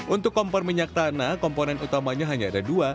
untuk kompor minyak tanah komponen utamanya hanya ada dua